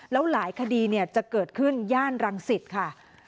แล้วหลายคดีจะเกิดขึ้นย่านรังสิตค่ะ